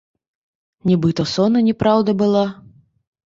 Нібы то сон, а не праўда была.